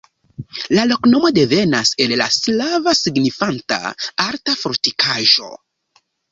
La loknomo devenas el la slava, signifanta: alta fortikaĵo.